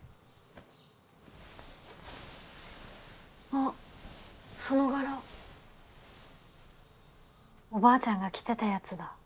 あその柄おばあちゃんが着てたやつだ。